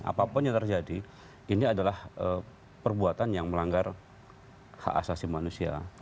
apapun yang terjadi ini adalah perbuatan yang melanggar hak asasi manusia